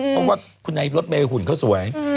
เพราะว่าคุณไอ้รถเมย์หุ่นเขาสวย